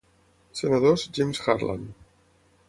Senadors, James Harlan.